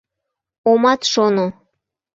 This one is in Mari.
— Омат шоно.